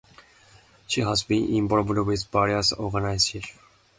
She has been involved with various organisations.